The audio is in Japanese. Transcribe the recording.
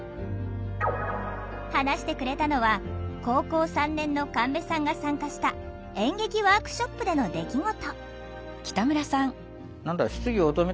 話してくれたのは高校３年の神戸さんが参加した演劇ワークショップでの出来事。